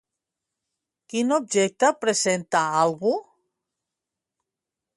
Quin objecte presenta algú?